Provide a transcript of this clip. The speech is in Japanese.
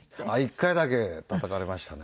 １回だけたたかれましたね。